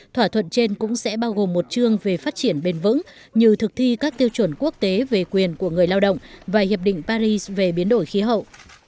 thỏa thuận trên cũng sẽ bao gồm một chương về phát triển bền vững như thực thi các tiêu chuẩn quốc tế về quyền của người lao động và hiệp định paris về biến đổi khí hậu